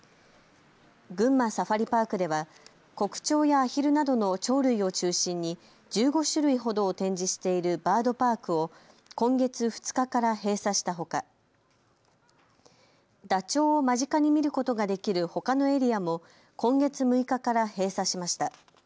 群馬サファリパークではコクチョウやアヒルなどの鳥類を中心に１５種類ほどを展示しているバードパークを今月２日から閉鎖したほかダチョウを間近に見ることができるほかのエリアも今月６日から閉鎖しました。